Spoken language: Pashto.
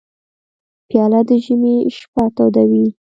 پیاله د ژمي شپه تودوي.